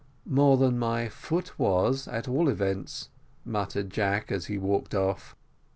"More than my foot was, at all events," muttered Jack, as he walked off.